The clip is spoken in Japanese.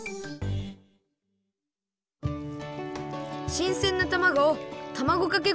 しんせんなたまごをたまごかけ